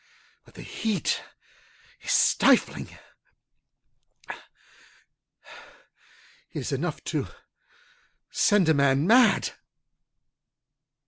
But the heat is stifling. It is enough to send a man mad.